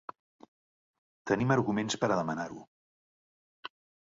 Tenim arguments per a demanar-ho.